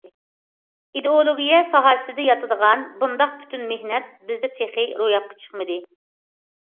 ئىدېئولوگىيە ساھەسىگە ياتىدىغان بۇنداق پۈتۈن مېھنەت بىزدە تېخى روياپقا چىقمىدى.